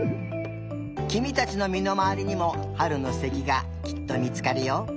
きみたちのみのまわりにもはるのすてきがきっとみつかるよ。